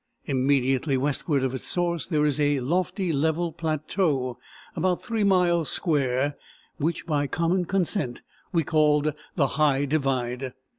Immediately westward of its source there is a lofty level plateau, about 3 miles square, which, by common consent, we called the High Divide.